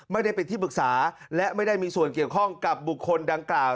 ไม่ได้เป็นที่ปรึกษาและไม่ได้มีส่วนเกี่ยวข้องกับบุคคลดังกล่าว